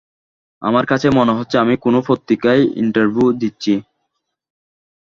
আমার কাছে মনে হচ্ছে, আমি কোনো পত্রিকায় ইন্টারভ্যু দিচ্ছি।